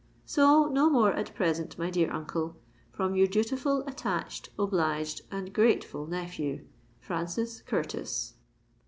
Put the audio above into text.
"So no more at present, my dear uncle, from your dutiful, attached, obliged, and grateful nephew, "FRANCIS CURTIS."